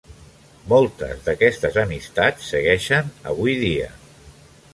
Moltes d'aquestes amistats segueixen avui dia.